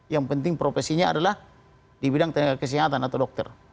yang penting profesinya adalah di bidang tenaga kesehatan atau dokter